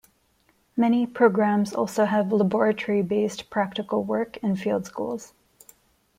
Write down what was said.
Many programmes also have laboratory-based practical work and field schools.